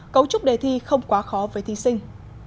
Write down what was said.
cấu trúc đề thi không quá khó với thí sinh